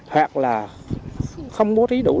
hoặc là không có thí đủ